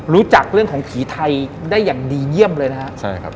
รู้จักเรื่องของผีไทยได้อย่างดีเยี่ยมเลยนะครับใช่ครับ